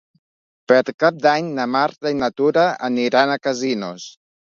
Per Cap d'Any na Marta i na Tura aniran a Casinos.